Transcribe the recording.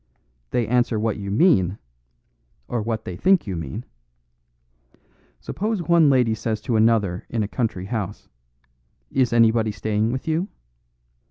They answer what you mean or what they think you mean. Suppose one lady says to another in a country house, 'Is anybody staying with you?